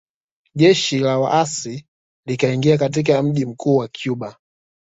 Jeshi la waasi likaingia katika mji mkuu wa Cuba